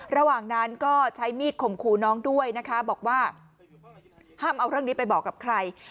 ระหว่างนั้นก็ใช้มีดข่มขู่น้องด้วยนะคะบอกว่าห้ามเอาเรื่องนี้ไปบอกกับใคร